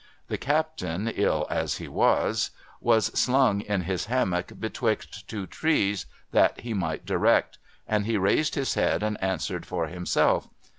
The Captain, ill as he was, was slung in his hammock betwixt two trees, that he might direct ; and he raised his head, and answered for himself.